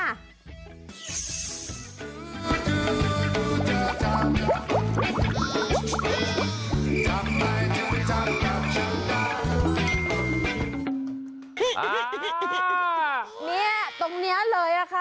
เนี่ยตรงนี้เลยอะค่ะ